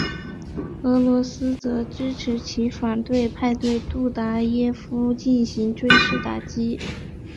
俄罗斯则支持其反对派对杜达耶夫进行军事打击。